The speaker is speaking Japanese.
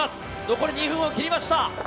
残り２分を切りました。